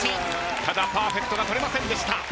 ただパーフェクトが取れませんでした。